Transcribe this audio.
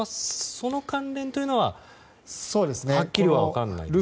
その関連というのははっきりは分からないんですか。